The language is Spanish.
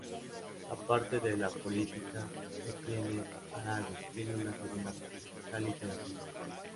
Aparte de la política, Étienne Arago tenía una segunda pasión: la literatura.